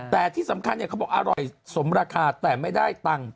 แต่ที่สำคัญเขาบอกอร่อยสมราคาแต่ไม่ได้ตังค์